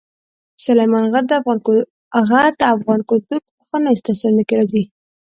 سلیمان غر د افغان کلتور په پخوانیو داستانونو کې راځي.